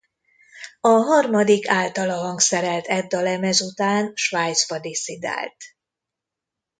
A harmadik általa hangszerelt Edda lemez után Svájcba disszidált.